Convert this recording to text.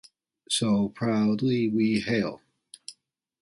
So Proudly We Hail!